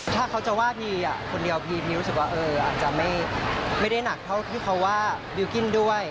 ถ้าเขาจะว่าทีคนเดียวรู้สึกว่าอาจจะไม่ได้หนักเท่าที่เขาว่าบิลกิ้นด้วย